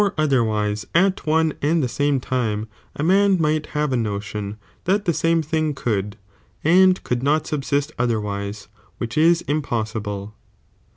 mi Otherwise at one and the same time a man might ''''^'"' have a notion that the same thing could and could not subsist otherwise, which is impossible.